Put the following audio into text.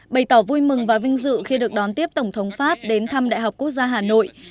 bày tỏ vui mừng và vinh dự khi được đón tiếp tổng thống pháp đến thăm đại học quốc gia hà nội